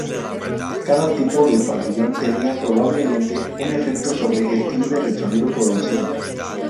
Cada tipo de pabellón tenía, probablemente, un efecto sobre el timbre del sonido producido.